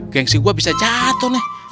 gengsi gua bisa jatuh nih